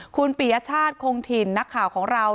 คุณปียชาติคงถิ่นนักข่าวของเรา